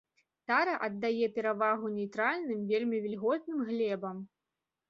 Тара аддае перавагу нейтральным, вельмі вільготным глебам.